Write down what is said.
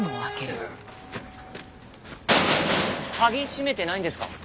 鍵閉めてないんですか？